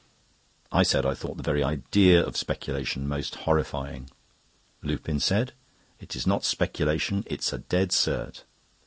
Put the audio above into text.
I said I thought the very idea of speculation most horrifying. Lupin said "It is not speculation, it's a dead cert."